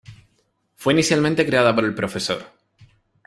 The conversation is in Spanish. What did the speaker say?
Fue inicialmente creada por el Prof.